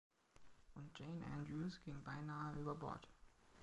Und Jane Andrews ging beinahe über Bord.